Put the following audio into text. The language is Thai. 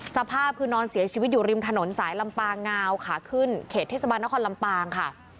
สภาพคือนอนเสียชีวิตอยู่ริมถนนสายลำปางงาวขาขึ้นเขตเทศบาลนครลำปางค่ะ